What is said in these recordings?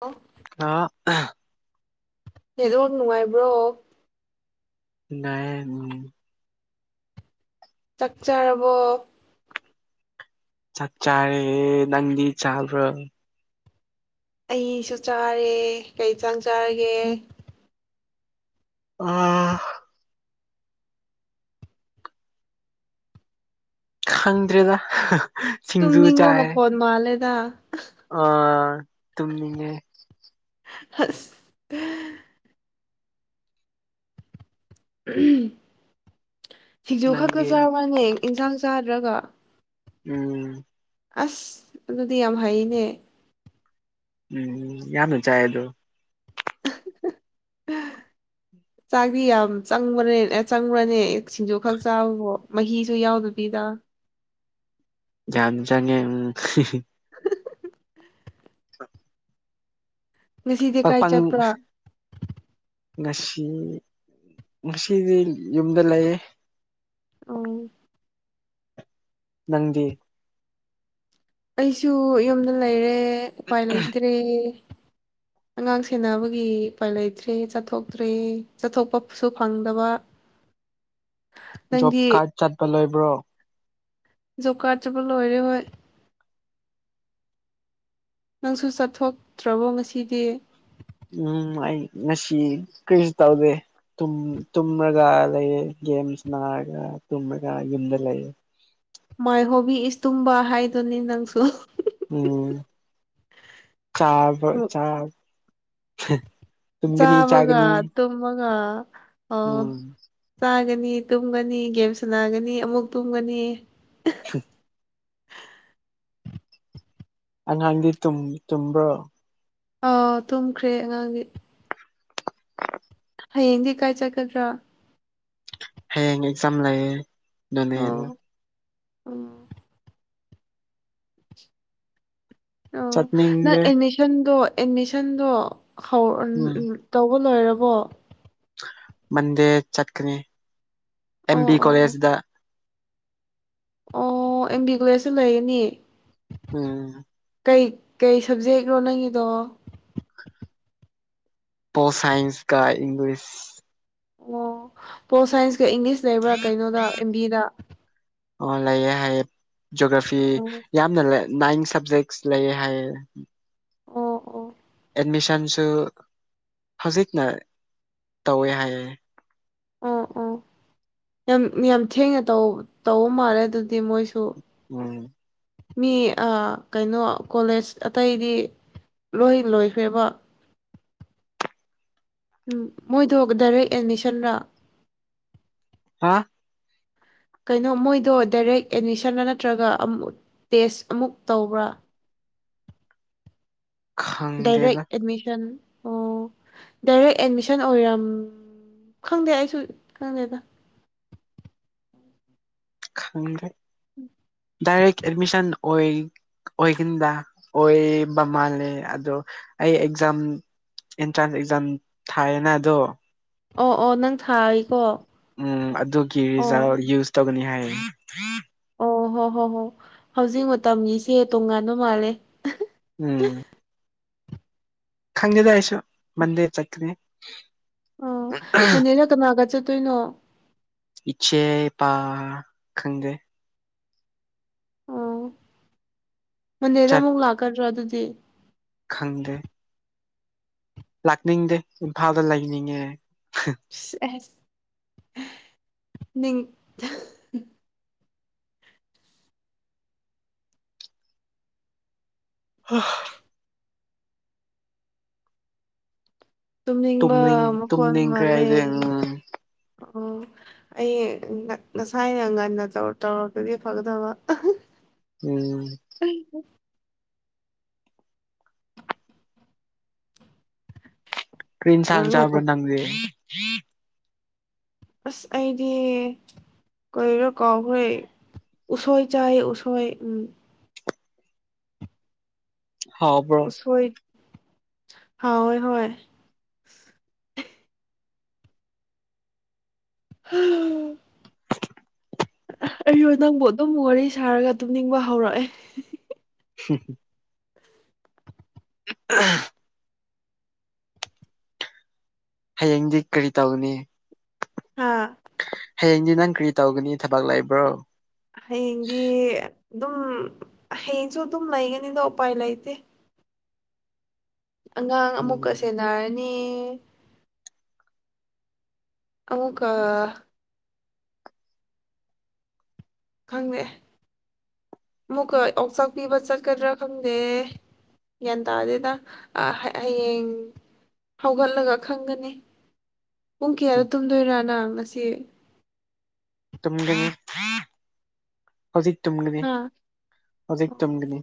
ꯑꯣ ꯍꯥꯎ [unintelligible] ꯅꯨꯡꯉꯥꯏꯕ꯭ꯔꯣ ꯅꯨꯡꯉꯥꯢꯌꯦ ꯆꯥꯛ ꯆꯥꯔꯕꯣ ꯆꯥꯛ ꯆꯥꯔꯦ ꯅꯪꯗꯤ ꯆꯥꯕ꯭ꯔꯣ ꯑꯩꯁꯨ ꯆꯥꯔꯦ ꯀꯩ ꯌꯦꯟꯁꯥꯡ ꯆꯥꯔꯒꯦ ꯑꯥ ꯈꯪꯗ꯭ꯔꯦꯗ ꯁꯤꯡꯖꯨ ꯇꯨꯝꯅꯤꯡꯕ ꯃꯈꯣꯟ ꯃꯥꯜꯂꯦꯗ ꯑꯥ ꯇꯨꯝꯅꯤꯡꯉꯦ ꯑꯁ ꯁꯤꯡꯖꯨ ꯈꯛꯇ ꯅꯪꯗꯤ ꯆꯕꯅꯦ ꯏꯟꯁꯥꯡ ꯆꯥꯗ꯭ꯔꯒ ꯎꯝ ꯑꯁ ꯑꯗꯨꯗꯤ ꯌꯥꯝ ꯍꯩꯅꯦ ꯎꯝ ꯌꯥꯝꯅ ꯆꯥꯏ ꯑꯗꯨꯝ [unintelligible] [inaudible] ꯆꯥꯛꯇꯤ ꯌꯥꯝ ꯆꯪꯕꯅꯦ ꯆꯪꯕ꯭ꯔꯅꯦ ꯁꯤꯡꯖꯨ ꯈꯛ ꯆꯥꯕꯕꯣ ꯃꯍꯤꯁꯨ ꯌꯥꯎꯗꯕꯤꯗ ꯌꯥꯝ ꯆꯪꯉꯦ ꯎꯝ [unintelligible] ꯉꯁꯤꯗꯤ ꯀꯥꯏ ꯃꯄꯪ ꯆꯠꯄ꯭ꯔꯥ ꯉꯁꯤ ꯉꯁꯤꯗꯤ ꯌꯨꯝꯗ ꯂꯩꯌꯦ ꯑꯣ ꯅꯪꯗꯤ ꯑꯩꯁꯨ ꯌꯨꯝꯗ ꯂꯩꯔꯦ ꯎꯄꯥꯏ ꯂꯩꯇ꯭ꯔꯦ ꯑꯉꯥꯡ ꯁꯦꯟꯅꯕꯒꯤ ꯎꯄꯥꯏ ꯂꯩꯇ꯭ꯔꯦ ꯆꯠꯊꯣꯛꯇ꯭ꯔꯦ ꯆꯠꯊꯣꯛꯄꯁꯨ ꯐꯪꯗꯕ [inaudible] ꯖꫭꯞ ꯅꯪꯗꯤ ꯀꯥꯔꯗ ꯆꯠꯕ ꯂꯣꯏꯕ꯭ꯔꯣ ꯖꯣꯕ ꯀꯥꯔꯠ ꯆꯠꯄ ꯂꯣꯏꯔꯦ ꯍꯣꯢ ꯅꯪꯁꯨ ꯆꯠꯊꯣꯛꯇ꯭ꯔꯕꯣ ꯉꯁꯤꯗꯤ ꯎꯝ ꯑꯩ ꯉꯁꯤ ꯀꯔꯤꯁꯨ ꯇꯧꯗꯦ ꯇꯨꯝꯔꯒ ꯂꯩꯑꯦ ꯒꯦꯝ ꯁꯟꯅꯥꯔꯒ ꯇꯨꯝꯔꯒ ꯌꯨꯝꯗ ꯂꯩꯌꯦ ꯃꯥꯏ ꯍꯣꯕꯤ ꯏꯁ ꯇꯨꯝꯕ ꯍꯥꯏꯗꯨꯅꯦ ꯅꯪꯁꯨ ꯎꯝ ꯆꯕꯥ ꯍꯣꯢ ꯆꯥꯛ ꯇꯨꯒꯅꯤ ꯆꯥꯕꯒ ꯆꯥꯒꯅꯤ ꯇꯨꯝꯃꯒ ꯑꯣ ꯎꯝ ꯆꯥꯒꯅꯤ ꯇꯨꯝꯒꯅꯤ ꯒꯦꯝ ꯁꯥꯟꯅꯥꯒꯅꯤ ꯑꯃꯨꯛ ꯇꯨꯝꯒꯅꯤ ꯑꯉꯥꯡꯗꯤ ꯇꯨꯝꯕ꯭ꯔꯣ ꯑꯥ ꯇꯨꯝꯈ꯭ꯔꯦ ꯑꯉꯥꯡꯗꯤ ꯍꯌꯦꯡꯗꯤ ꯀꯥꯏ ꯆꯠꯀꯗ꯭ꯔꯥ ꯍꯌꯦꯡ ꯑꯦꯛꯖꯥꯝ ꯂꯩꯌꯦ ꯑꯗꯨꯅꯦ ꯑꯣ ꯎꯝ ꯑꯥ ꯅꯪ ꯆꯠꯅꯤꯡꯗ꯭ꯔꯦ ꯑꯦꯠꯃꯤꯁꯟꯗꯣ ꯑꯦꯠꯃꯤꯁꯟꯗꯣ ꯍꯧꯔꯣ ꯎꯝ ꯇꯧꯕ ꯂꯣꯏꯔꯕꯣ ꯃꯟꯗꯦ ꯆꯠꯀꯅꯤ ꯑꯦꯝ ꯑꯣ ꯑꯣ ꯕꯤ ꯑꯣ ꯀꯣꯂꯦꯖꯗ ꯑꯣ ꯑꯦꯝꯕꯤ ꯀꯣꯂꯦꯁꯗ ꯂꯩꯒꯅꯤ ꯎꯝ ꯀꯩ ꯀꯩ ꯁꯕꯖꯦꯛꯅꯣ ꯅꯪꯒꯤꯗꯣ ꯄꯣꯜ ꯁꯥꯏꯟꯁ ꯀꯥ ꯏꯪꯂꯤꯁ ꯑꯣ ꯄꯣ ꯜꯁꯥꯏꯟꯁꯀ ꯏꯪꯂꯤꯁ ꯂꯩꯕ꯭ꯔꯥ ꯀꯩꯅꯣꯗ ꯑꯦꯝ ꯕꯤꯗ ꯑꯣ ꯂꯩꯑꯦ ꯍꯥꯏꯌꯦ ꯖꯣꯒ꯭ꯔꯥꯐꯤ ꯑꯣ ꯌꯥꯝ ꯌꯥꯝ ꯂꯩꯌꯦ ꯍꯥꯢꯌꯦ ꯅꯥꯏꯟ ꯁꯥꯞꯖꯦꯛꯁ ꯂꯩꯌꯦ ꯍꯥꯏꯌꯦ ꯑꯣ ꯑꯣ ꯑꯦꯠꯃꯤꯁꯟꯁꯨ ꯍꯧꯖꯤꯛꯅ ꯇꯧꯋꯦ ꯍꯥꯏꯌꯦ ꯑꯣ ꯑꯣ ꯌꯥꯝ ꯌꯥꯝ ꯊꯦꯡꯅ ꯇꯧ ꯇꯧꯕ ꯃꯥꯜꯂꯦ ꯑꯗꯨꯗꯤ ꯃꯣꯏꯁꯨ ꯁꯋꯥꯢ ꯃꯤ ꯑ ꯀꯩꯅꯣ ꯀꯣꯂꯦꯖ ꯑꯇꯩꯗꯤ ꯂꯣꯏ ꯂꯣꯏꯈ꯭ꯔꯦꯕ ꯎꯝ ꯃꯣꯏꯗꯣ ꯗꯥꯏꯔꯦꯛ ꯑꯦꯠꯃꯤꯁꯟꯔꯥ ꯍꯥ ꯀꯩꯅꯣ ꯃꯣꯏꯗꯣ ꯗꯥꯏꯔꯦꯛ ꯑꯦꯠꯃꯤꯁꯟꯂ ꯅꯠꯇ꯭ꯔꯒ ꯑꯃ ꯇꯦꯁ ꯑꯃꯨꯛ ꯇꯧꯕ꯭ꯔꯥ ꯗꯥꯏꯔꯦꯛ ꯈꯪꯗꯦꯗ ꯑꯦꯗꯃꯤꯁꯟ ꯑꯣ ꯗꯥꯏꯔꯦꯛ ꯑꯦꯠꯃꯤꯁꯟ ꯑꯣꯏꯔꯝ ꯈꯪꯗꯦ ꯑꯩꯁꯨ ꯈꯪꯗꯦꯗ ꯈꯪꯔꯦ ꯗꯥꯏꯔ ꯑꯦꯗꯃꯤꯁꯟ ꯑꯣꯏ ꯑꯣꯏꯈꯤꯟꯗ ꯑꯣꯏꯕ ꯃꯥꯜꯂꯦ ꯑꯗꯣ ꯑꯩ ꯑꯦꯛꯖꯥꯝ ꯏꯟꯇ꯭ꯔꯥꯟ ꯑꯦꯛꯖꯥꯝ ꯊꯥꯏꯌꯦꯅ ꯑꯗꯣ ꯑꯣ ꯑꯣ ꯅꯪ ꯊꯥꯔꯤꯀꯣ ꯎꯝ ꯑꯗꯨꯒꯤ ꯔꯤꯖꯥ ꯌꯨꯁ ꯇꯧꯒꯅꯤ ꯍꯥꯏꯌꯦ ꯑꯣ ꯍꯣ ꯍꯣ ꯍꯣ ꯍꯧꯖꯤꯛ ꯃꯇꯝꯒꯤꯁꯦ ꯇꯣꯉꯥꯟꯕ ꯃꯥꯜꯂꯦ ꯎꯝ ꯈꯪꯗꯦꯗ ꯑꯩꯁꯨ ꯃꯟꯗꯦ ꯆꯠꯀꯅꯤ ꯑꯣ ꯃꯟꯗꯦꯗ ꯀꯅꯥꯒ ꯆꯠꯇꯣꯏꯅꯣ ꯏꯆꯦ ꯄꯥ ꯈꯪꯗꯦ ꯑꯣ ꯃꯟꯗꯦꯗ ꯆꯠ ꯑꯃꯨꯛ ꯂꯥꯛꯀꯗ꯭ꯔꯥ ꯑꯗꯨꯗꯤ ꯈꯪꯗꯦ ꯂꯥꯛꯅꯤꯡꯗꯦ ꯏꯝꯐꯥꯜꯗ ꯂꯩꯅꯤꯡꯉꯦ ꯏꯁ ꯑꯦꯁ ꯅꯤꯡ ꯍꯥ ꯇꯨꯝꯅꯤꯡꯕ ꯇꯨꯝꯅꯤꯡ ꯃꯈꯣꯜ ꯇꯨꯝꯅꯤꯡꯈ꯭ꯔꯦ ꯃꯥꯥꯟꯂꯦ ꯑꯩꯗꯤ ꯎꯝ ꯑꯣ ꯑꯩ ꯉ ꯉꯁꯥꯏꯅ ꯉꯟꯅ ꯇꯧꯔꯛ ꯇꯧꯔꯛꯇꯗꯤ ꯐꯒꯗꯕ ꯎꯝ ꯑꯩ ꯀꯔꯤꯏꯟꯁꯥꯡ ꯆꯥꯕ꯭ꯔꯥ ꯅꯗꯤ ꯑꯁ ꯑꯩꯗꯤ ꯀꯩꯔꯣ ꯀꯥꯎꯈ꯭ꯔꯦ ꯎꯁꯣꯏ ꯆꯥꯏ ꯎꯁꯣꯏ ꯎꯝ ꯍꯥꯎꯕꯔꯣ ꯁꯣꯏ ꯍꯥꯎꯋꯦ ꯍꯥꯎꯋꯦ ꯍꯥ ꯑꯩꯁꯨ ꯅꯪꯕꯨ ꯑꯗꯨꯝ ꯋꯥꯔꯤ ꯁꯥꯔꯒ ꯇꯨꯝꯅꯤꯡꯕ ꯍꯧꯔꯛꯑꯦ ꯍꯝ ꯑꯥ ꯍꯌꯦꯡꯗꯤ ꯀꯔꯤ ꯇꯧꯅꯤ ꯑꯥ ꯍꯌꯦꯡꯗꯤ ꯅꯪ ꯀꯔꯤ ꯇꯧꯒꯅꯤ ꯊꯕꯛ ꯂꯩꯕ꯭ꯔꯣ ꯍꯌꯦꯡꯗꯤ ꯑꯗꯨꯝ ꯍꯌꯦꯡꯁꯨ ꯑꯗꯨꯝ ꯂꯩꯒꯅꯤꯗ ꯎꯄꯥꯏ ꯂꯩꯇꯦ ꯑꯉꯥꯡ ꯎꯝ ꯑꯃꯨꯛꯀ ꯁꯦꯟꯅꯔꯅꯤ ꯑꯃꯨꯛꯀ ꯈꯪꯗꯦ ꯑꯃꯨꯛꯀ ꯑꯣꯛꯆꯥꯛ ꯄꯤꯕ ꯆꯠꯀꯗ꯭ꯔꯥ ꯈꯪꯗꯦ ꯒ꯭ꯌꯥꯟ ꯇꯥꯗꯦꯗ ꯑ ꯍꯌꯦꯡ ꯍꯧꯒꯠꯂꯒ ꯈꯪꯒꯅꯤ ꯄꯨꯡ ꯀꯌꯥꯗ ꯇꯨꯝꯗꯨꯏꯔꯥ ꯅꯪ ꯉꯁꯤ ꯨꯇꯨꯝꯒꯅꯤ ꯍꯧꯖꯤꯛ ꯇꯨꯝꯒꯅꯤ ꯍꯥ ꯍꯧꯖꯤꯛ ꯑꯣ ꯇꯨꯝꯒꯅꯤ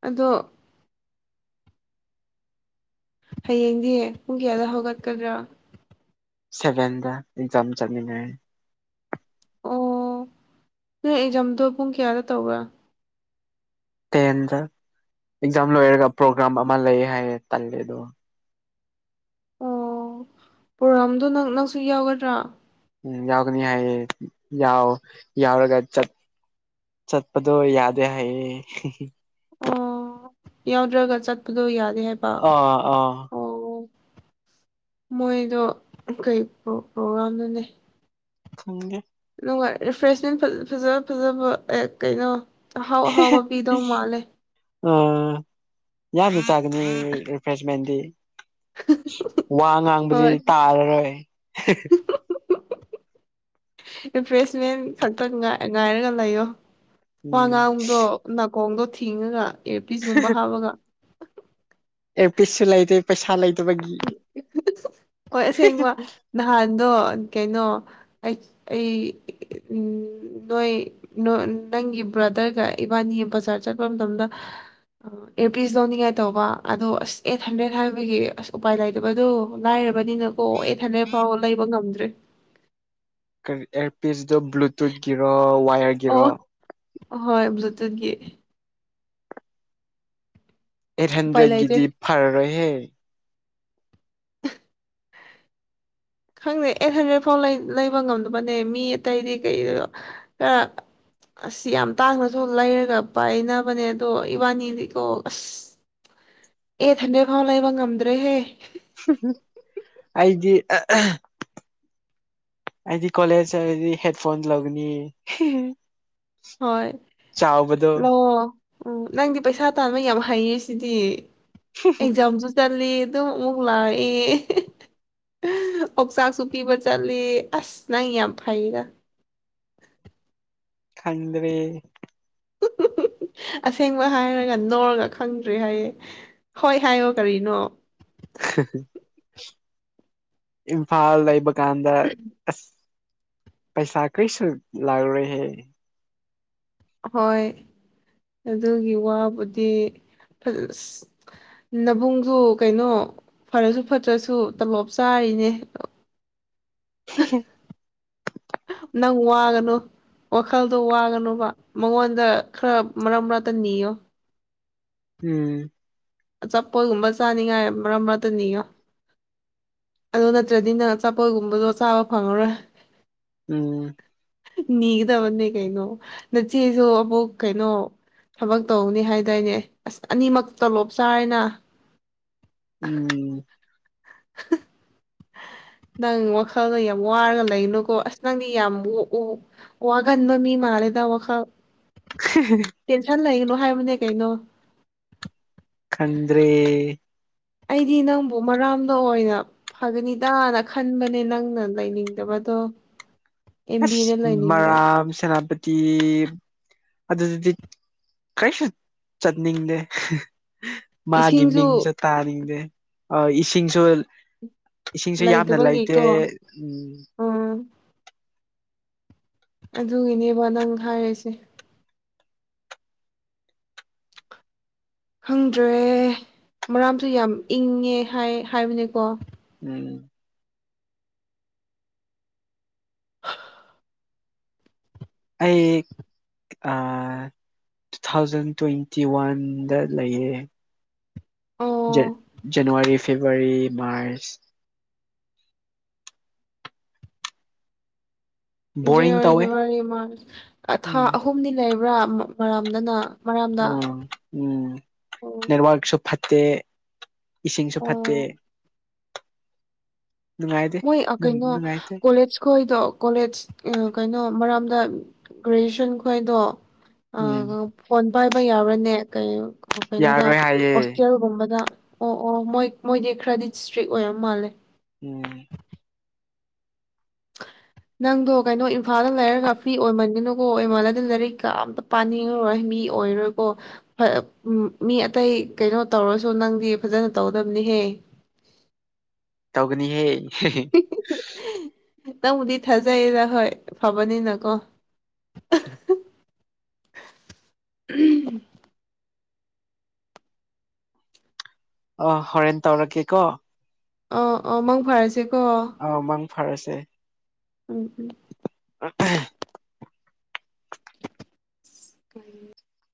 ꯑꯗꯣ ꯍꯌꯦꯡꯗꯤ ꯄꯨꯡ ꯀꯌꯥꯗ ꯍꯧꯒꯠꯀꯗ꯭ꯔꯥ ꯁꯚꯦꯟꯗ ꯑꯦꯛꯖꯥꯝ ꯆꯠꯅꯤꯡꯉꯥꯢ ꯑꯣ ꯅꯣꯏ ꯑꯦꯛꯖꯥꯝꯗꯣ ꯄꯨꯡ ꯀꯌꯥꯗ ꯇꯧꯕ꯭ꯔꯥ ꯇꯦꯟꯗ ꯑꯦꯛꯖꯥꯝ ꯂꯣꯏꯔꯒ ꯄ꯭ꯔꯣꯒ꯭ꯔꯥꯝ ꯑꯃ ꯂꯩ ꯍꯥꯏꯌꯦ ꯇꯜꯂꯦ ꯑꯗꯣ ꯄ꯭ꯔꯣꯒꯥꯝꯗꯣ ꯅꯪ ꯅꯪꯁꯨ ꯌꯥꯎꯒꯗ꯭ꯔꯥ ꯎꯝ ꯌꯥꯎꯒꯅꯤ ꯍꯥꯏꯌꯦ ꯌꯥꯎ ꯌꯥꯎꯔꯒ ꯆꯠ ꯆꯠꯄꯗꯣ ꯌꯥꯗꯦ ꯍꯥꯏꯌꯦ ꯑꯣ ꯌꯥꯎꯗ꯭ꯔꯒ ꯆꯠꯄꯗꯣ ꯌꯥꯗꯦ ꯍꯥꯏꯕ ꯑꯥ ꯑꯥ ꯑꯣ ꯃꯣꯏꯗꯣ ꯀꯩ ꯄ꯭ꯔꯣꯒꯥꯝꯅꯣꯅꯦ ꯈꯪꯗꯦ ꯅꯨꯡꯉꯥꯏ ꯔꯤꯐ꯭ꯔꯦꯁꯃꯦꯟ ꯐꯖ ꯐꯖꯕ ꯑꯦ ꯀꯩꯅꯣ ꯑꯍꯥꯎ ꯑꯍꯥꯎꯕ ꯄꯤꯗꯧ ꯃꯥꯜꯂꯦ ꯑꯥ ꯌꯥꯝꯅ ꯆꯥꯒꯅꯤ ꯔꯤꯐ꯭ꯔꯦꯁꯃꯦꯟꯗꯤ ꯋꯥ ꯉꯥꯡꯕꯗꯤ ꯍꯣꯏ ꯇꯥꯔꯔꯣꯏ [unintelligible] ꯔꯤꯐ꯭ꯔꯦꯁꯃꯦꯟ ꯈꯛꯇ ꯉꯥꯏꯔꯒ ꯂꯩꯌꯣ ꯋꯥ ꯎꯝ ꯉꯥꯡꯕꯗꯣ ꯅꯥꯀꯣꯡꯗꯣ ꯊꯤꯡꯉꯒ ꯏꯔꯄꯤꯁꯒꯨꯝꯕ ꯍꯥꯞꯄꯒ ꯑꯦꯔꯄꯤꯁꯁꯨ ꯂꯩꯗꯦ ꯄꯩꯁꯥ ꯂꯩꯗꯕꯒꯤ ꯍꯣꯏ ꯑꯁꯦꯡꯕ ꯅꯍꯥꯟꯗꯣ ꯀꯩꯅꯣ ꯑꯩ ꯅꯣꯏ ꯅꯪꯒꯤ ꯕ꯭ꯔꯥꯗꯔꯒ ꯏꯕꯥꯅꯤ ꯕꯖꯥꯔ ꯆꯠꯄ ꯃꯇꯝꯗ ꯏꯌꯔꯄꯤꯁ ꯂꯧꯅꯤꯡꯉꯥꯏ ꯇꯧꯕ ꯑꯗꯣ ꯑꯁ ꯑꯦꯠ ꯍꯟꯗ꯭ꯔꯦꯗ ꯍꯥꯏꯕꯒꯤ ꯑꯁ ꯎꯄꯥꯏ ꯂꯩꯇꯕꯗꯣ ꯂꯥꯏꯔꯕꯅꯤꯅꯀꯣ ꯑꯦꯠ ꯍꯟꯗ꯭ꯔꯦꯠ ꯐꯥꯎ ꯂꯩꯕ ꯉꯝꯗ꯭ꯔꯦ ꯑꯦꯔꯄꯤꯁ ꯗꯣ ꯕ꯭ꯂꯨꯇꯨꯠꯒꯤꯔꯣ ꯋꯥꯏꯔ ꯑꯣ ꯍꯣꯏ ꯕ꯭ꯂꯨꯇꯨꯠꯒꯤ ꯑꯦꯠ ꯎꯄꯥꯏ ꯂꯩꯇꯦ ꯍꯟꯗ꯭ꯔꯦꯗꯀꯤꯗꯤ ꯐꯔꯔꯣꯏꯍꯦ ꯈꯪꯗꯦ ꯑꯦꯠ ꯍꯟꯗ꯭ꯔꯦꯠ ꯐꯥꯎ ꯂꯩꯕ ꯉꯝꯗꯕꯅꯦ ꯃꯤ ꯑꯇꯩꯗꯤ ꯀꯩꯅꯣ ꯈꯔ ꯑꯁ ꯌꯥꯝ ꯇꯥꯡꯅꯁꯨ ꯂꯩꯔꯒ ꯄꯥꯏꯅꯕꯅꯦ ꯑꯗꯣ ꯏꯕꯥꯅꯤꯗꯤꯀꯣ ꯑꯁ ꯑꯦꯠꯍꯥꯟꯗ꯭ꯔꯦꯠ ꯐꯥꯎ ꯂꯩꯕ ꯉꯝꯗ꯭ꯔꯦꯍꯦ ꯑꯩꯗꯤ ꯑꯩꯗꯤ ꯀꯣꯂꯦꯖ ꯆꯠꯂꯗꯤ ꯍꯦꯠ ꯐꯣꯟ ꯂꯧꯒꯅꯤ ꯍꯣꯏ ꯆꯥꯎꯕꯗꯣ ꯂꯧꯋꯣ ꯑꯣ ꯅꯪꯗꯤ ꯄꯩꯁꯥ ꯇꯥꯟꯕ ꯌꯥꯝ ꯍꯩꯔꯤꯁꯤꯗꯤ ꯑꯦꯛꯖꯥꯝꯁꯨ ꯆꯠꯂꯤ ꯑꯗꯨꯝ ꯑꯃꯨꯛ ꯂꯥꯛꯏ ꯑꯣꯛꯆꯥꯛꯁꯨ ꯄꯤꯕ ꯆꯠꯂꯤ ꯑꯁ ꯅꯪ ꯌꯥꯝ ꯐꯩꯗ ꯈꯪꯗ꯭ꯔꯦ ꯑꯁꯦꯡꯕ ꯍꯥꯏꯔꯒ ꯅꯣꯛꯔꯒ ꯈꯪꯗ꯭ꯔꯦ ꯍꯥꯏꯌꯦ ꯍꯣꯏ ꯍꯥꯏꯌꯣ ꯀꯔꯤꯅꯣ ꯏꯝꯐꯥꯜ ꯂꯩꯕ ꯀꯥꯟꯗ ꯑꯁ ꯄꯩꯁꯥ ꯀꯔꯤꯁꯨ ꯂꯥꯛꯔꯣꯏꯍꯦ ꯍꯣꯏ ꯑꯗꯨꯒꯤ ꯋꯥꯕꯨꯗꯤ ꯅꯕꯨꯡꯁꯨ ꯀꯩꯅꯣ ꯐꯔꯁꯨ ꯐꯠꯇ꯭ꯔꯁꯨ ꯇꯣꯂꯣꯞ ꯆꯥꯔꯤꯅꯦ [unintelligible] ꯅꯪ ꯋꯥꯒꯅꯨ ꯋꯥꯈꯜꯗꯣ ꯋꯥꯒꯅꯣꯕ ꯃꯉꯣꯟꯗ ꯈꯔ ꯃꯔꯛ ꯃꯔꯛꯇ ꯅꯤꯌꯣ ꯎꯝ ꯑꯆꯥꯄꯣꯠꯒꯨꯝꯕ ꯆꯥꯅꯤꯡꯉꯥꯏ ꯃꯔꯝ ꯃꯔꯛꯇ ꯅꯤꯌꯣ ꯑꯗꯨ ꯅꯠꯇ꯭ꯔꯗꯤ ꯅꯪ ꯑꯆꯥꯄꯣꯠꯒꯨꯝꯕꯗꯣ ꯆꯥꯕ ꯐꯪꯉꯔꯣꯏ ꯑꯝ ꯅꯤꯒꯗꯕꯅꯦ ꯀꯩꯅꯣ ꯅꯆꯦꯁꯨ ꯑꯃꯨꯛ ꯀꯩꯅꯣ ꯊꯕꯛ ꯇꯧꯅꯤ ꯍꯥꯏꯗꯥꯏꯅꯦ ꯑꯁ ꯑꯅꯤꯃꯛ ꯇꯣꯂꯣꯞ ꯆꯥꯢꯅ ꯎꯝ ꯅꯪ ꯋꯥꯈꯜꯗ ꯌꯥꯝ ꯋꯥꯔꯒ ꯂꯩꯅꯨꯀꯣ ꯑꯁ ꯅꯪꯗꯤ ꯌꯥꯝ ꯑꯣ ꯋꯥꯒꯟ ꯃꯤ ꯃꯥꯂꯦꯗ ꯋꯥꯈꯜ [unintelligible] ꯇꯦꯟꯁꯟ ꯂꯩꯒꯅꯣ ꯍꯥꯏꯕꯅꯦ ꯀꯩꯅꯣ ꯈꯪꯗ꯭ꯔꯦ ꯑꯩꯗꯤ ꯅꯪꯕꯨ ꯃꯔꯥꯝꯗ ꯑꯣꯏꯅ ꯐꯒꯅꯤꯇꯅ ꯈꯟꯕꯅꯦ ꯅꯪꯅ ꯂꯩꯅꯤꯡꯗꯕꯗꯣ ꯑꯦꯝ ꯑꯁ ꯕꯤꯗ ꯂꯩꯅꯤꯡꯕ ꯃꯔꯥꯝ ꯁꯦꯅꯥꯄꯇꯤ ꯑꯗꯨꯗꯨꯗꯤ ꯀꯩꯁꯨ ꯆꯠꯅꯤꯡꯗꯦ ꯃꯥꯒꯤ ꯃꯤꯡꯁꯨ ꯏꯁꯤꯡꯁꯨ ꯇꯥꯅꯤꯡꯗꯦ ꯏꯁꯤꯡꯁꯨ ꯏꯁꯤꯡꯁꯨ ꯌꯥꯝꯅ ꯂꯩꯇꯦ ꯂꯩꯇꯕꯒꯤꯀꯣ ꯎꯝ ꯎꯝ ꯑꯗꯨꯒꯤꯅꯦꯕ ꯅꯪ ꯍꯥꯏꯔꯤꯁꯦ ꯈꯪꯗ꯭ꯔꯦ ꯃꯔꯥꯝꯁꯨ ꯌꯥꯝ ꯏꯪꯉꯦ ꯍꯥꯏꯕꯅꯦꯀꯣ ꯎꯝ ꯑꯩ ꯇꯨ ꯊꯥꯎꯖꯟ ꯇ꯭ꯋꯦꯟꯇꯤ ꯋꯥꯟꯗ ꯂꯩꯌꯦ ꯑꯣ January February March boring January ꯇꯧꯋꯦ ꯐꯦꯕꯋꯥꯔꯤ ꯃꯥꯔꯆ ꯊꯥ ꯎꯝ ꯑꯍꯨꯝꯗꯤ ꯂꯩꯕ꯭ꯔꯥ ꯃꯔꯝꯗ ꯅꯪ ꯎꯝ ꯎꯝ ꯑꯣ ꯅꯦꯠꯋꯥꯛꯁꯨ ꯐꯠꯇꯦ ꯏꯁꯤꯡꯁꯨ ꯐꯠꯇꯦ ꯑꯣ ꯅꯨꯡꯉꯥꯏꯇꯦ ꯃꯣꯏ ꯀꯩꯅꯣ ꯅꯨꯡꯉꯥꯏꯇꯦ ꯀꯣꯂꯦꯁ ꯑꯩꯈꯣꯏꯗꯣ ꯀꯣꯂꯦꯁ ꯀꯩꯅꯣ ꯃꯔꯝꯗ ꯒ꯭ꯔꯦꯖ꯭ꯨꯌꯦꯁꯟ ꯈꯣꯏꯗꯣ ꯎꯝ ꯐꯣꯟ ꯄꯥꯏꯕ ꯌꯥꯕ꯭ꯔꯅꯦ ꯀꯩꯅꯣꯗ ꯌꯥꯔꯣꯏ ꯍꯥꯏꯌꯦ ꯍꯣꯁꯇꯦꯜꯒꯨꯝꯕꯗ ꯑꯣ ꯑꯣ ꯃꯣꯏ ꯃꯣꯏꯗꯤ ꯈ꯭ꯔꯗꯤ ꯏꯁꯇ꯭ꯔꯤꯛ ꯑꯣꯏꯔ ꯃꯥꯜꯂꯦ ꯎꯝ ꯅꯪꯗꯣ ꯀꯩꯅꯣ ꯏꯝꯐꯥꯜꯗ ꯂꯩꯔꯒ ꯐ꯭ꯔꯤ ꯑꯣꯏꯃꯟꯒꯅꯨꯀꯣ ꯑꯣꯏꯃꯜꯂꯗꯤ ꯂꯥꯏꯔꯤꯛ ꯀ ꯑꯝꯇ ꯄꯥꯅꯤꯡꯉꯔꯣꯏ ꯃꯤ ꯑꯣꯏꯔꯣꯏꯀꯣ ꯍꯣꯢ ꯃꯤ ꯑꯇꯩ ꯀꯩꯅꯣ ꯇꯧꯔꯁꯨ ꯅꯪꯗꯤ ꯐꯖꯅ ꯇꯧꯗꯕꯅꯤꯍꯦ ꯇꯧꯒꯅꯤꯍꯦ ꯅꯪꯕꯨꯗꯤ ꯊꯥꯖꯩꯌꯦꯗ ꯍꯣꯏ ꯐꯕꯅꯤꯅꯀꯣ ꯑꯣ ꯍꯣꯔꯦꯟ ꯇꯧꯔꯛꯀꯦ ꯀꯣ ꯑꯥ ꯑꯥ ꯃꯪ ꯐꯔꯁꯤꯀꯣ ꯑꯥꯎ ꯃꯪ ꯐꯥꯔꯁꯦ ꯎꯝ ꯎꯝ [unintelligible] [inaudible]